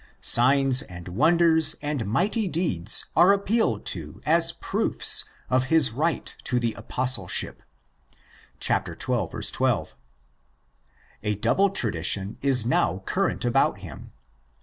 Signs and wonders and mighty deeds are appealed to as proofs of his right to the Apostleship (xii. 12). A double tradition is now current about him.